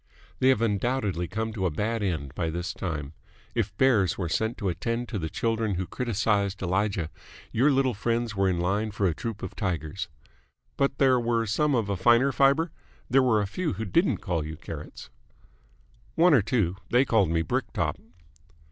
"They have undoubtedly come to a bad end by this time. If bears were sent to attend to the children who criticised Elijah, your little friends were in line for a troupe of tigers. But there were some of a finer fibre? There were a few who didn't call you Carrots?" "One or two. They called me Brick Top."